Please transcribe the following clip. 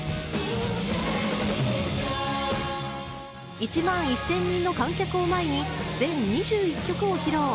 １万１０００人の観客を前に全２１曲を披露。